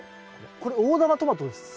これ大玉トマトですか？